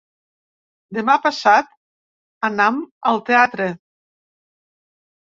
Demà passat anam al teatre.